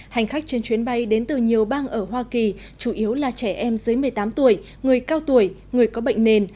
hành khách trên chuyến bay đến từ nhiều bang ở hoa kỳ chủ yếu là trẻ em dưới một mươi tám tuổi người cao tuổi người có bệnh nền